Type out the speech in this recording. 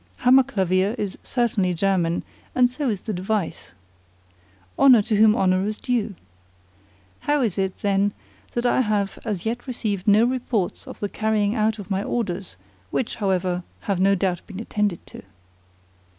Hammer Clavier is certainly German, and so is the device. Honor to whom honor is due! How is it, then, that I have as yet received no reports of the carrying out of my orders, which, however, have no doubt been attended to?